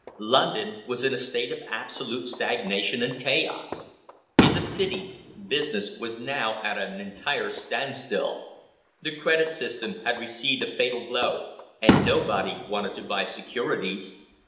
London was in a state of absolute stagnation and chaos. In the City, business was now at an entire standstill. The credit system had received a fatal blow, and nobody wanted to buy securities.